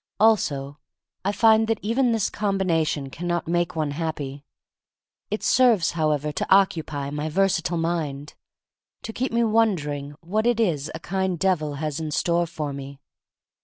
Also I find that even this combination can not make one happy. It serves, however, to occupy my versa tile mind, to keep me wondering what it is a kind Devil has in store for me.